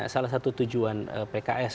salah satu tujuan pks